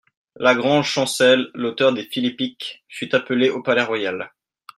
Lagrange-Chancel, l'auteur des Philippiques, fut appelé au Palais-Royal.